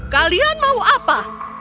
kalian mau apa